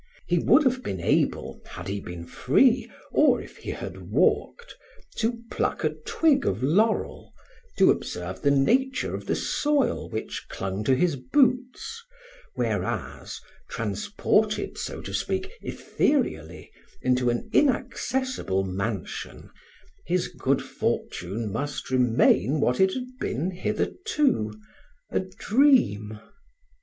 He would have been able, had he been free, or if he had walked, to pluck a twig of laurel, to observe the nature of the soil which clung to his boots; whereas, transported, so to speak, ethereally into an inaccessible mansion, his good fortune must remain what it had been hitherto, a dream.